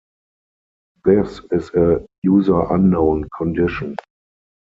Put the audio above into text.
This is a "user unknown" condition.